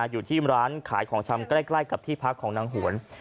อยู่ที่ร้านขายของชำใกล้กับที่พักของนางหวน